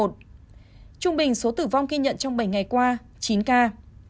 trung bình số tử vong ghi nhận trong bảy ngày qua chín ca